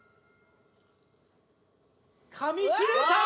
かみ切れた！